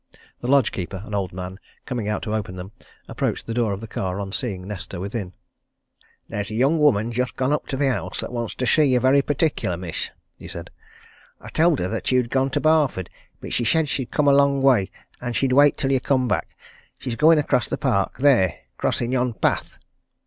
The lodge keeper, an old man, coming out to open them, approached the door of the car on seeing Nesta within. "There's a young woman just gone up to the house that wants to see you very particular, miss," he said. "I tell'd her that you'd gone to Barford, but she said she'd come a long way, and she'd wait till you come back. She's going across the park there crossin' yon path."